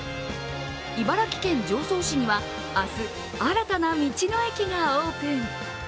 茨城県常総市には明日、新たな道の駅がオープン。